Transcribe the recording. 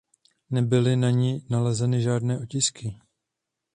Nebyli na ni nalezeny žádné otisky.